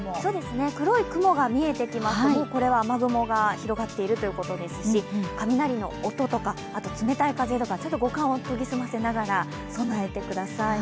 黒い雲が見えてきますと、雨雲が広がっているということですし、雷の音とか、冷たい風とか、ちょっと五感を研ぎ澄ませながら備えてください。